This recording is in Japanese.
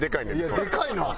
いやでかいな！